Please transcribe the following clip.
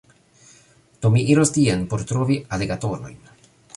Do, mi iros tien por trovi aligatorojn